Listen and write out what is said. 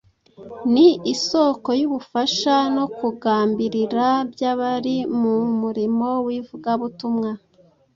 ni isoko y’ubufasha no kugambirira by’abari mu murimo w’ivugabutumwa.